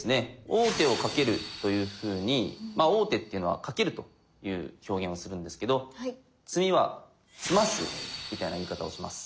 「王手をかける」というふうにまあ王手っていうのは「かける」という表現をするんですけど詰みは「詰ます」みたいな言い方をします。